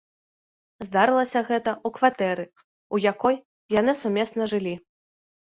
Здарылася гэта ў кватэры, у якой яны сумесна жылі.